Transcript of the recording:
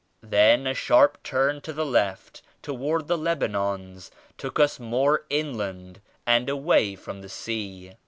Then a sharp turn to the left toward the Lebanons took us more inland and away from the sea.